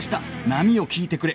『波よ聞いてくれ』